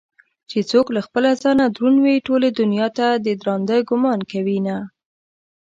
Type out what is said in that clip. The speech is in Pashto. چې څوك له خپله ځانه دروند وي ټولې دنياته ددراندۀ ګومان كوينه